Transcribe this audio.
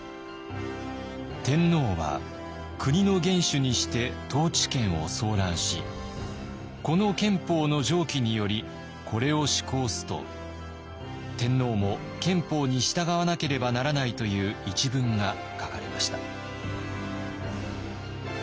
「天皇は国の元首にして統治権を総覧しこの憲法の条規によりこれを施行す」と「天皇も憲法に従わなければならない」という一文が書かれました。